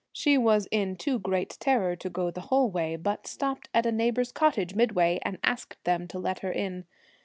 She was in too great terror to go the whole way, but stopped at a neighbour's cottage midway, and asked them to let her in.